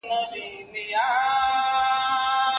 د خوارانو لاس به درسي تر ګرېوانه